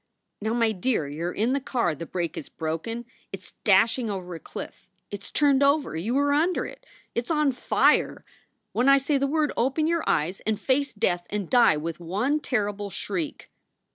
Now, my dear, you re in the car, the brake is broken! It s dashing over a cliff! It s turned over! You are under it! It s on fire! When I say the word open your eyes and face death and die with one terrible shriek!"